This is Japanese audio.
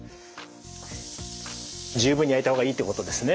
十分に焼いた方がいいということですね。